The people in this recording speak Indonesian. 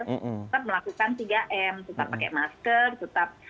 tetap melakukan tiga m tetap pakai masker tetap